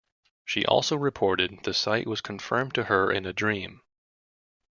She also reported the site was confirmed to her in a dream.